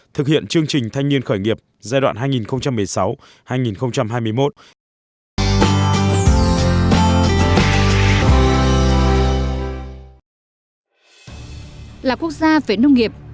thực hiện chương trình thanh niên khởi nghiệp giai đoạn hai nghìn một mươi sáu hai nghìn hai mươi một